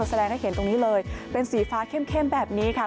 แสดงให้เห็นตรงนี้เลยเป็นสีฟ้าเข้มแบบนี้ค่ะ